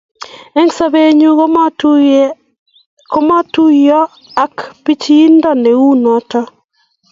eng sobennyi komatuyo ak bichindo neu notok